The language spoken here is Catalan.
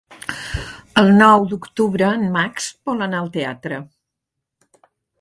El nou d'octubre en Max vol anar al teatre.